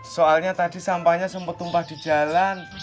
soalnya tadi sampahnya sempat tumpah di jalan